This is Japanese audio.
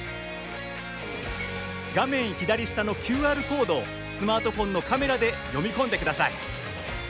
画面左下のＱＲコードをスマートフォンのカメラで読み込んでください。